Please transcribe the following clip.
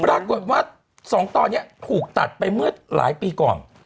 ปรากฏว่า๒ตอนนี้ถูกตัดไปเมื่อหลายปีก่อน